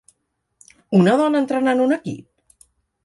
Una dona entrenant un equip?